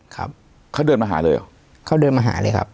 ครับเขาเดินมาหาเลยเหรอเขาเดินมาหาเลยครับ